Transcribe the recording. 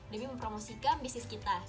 demi mempromosikan bisnis kita